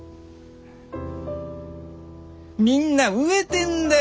みんな飢えてんだよ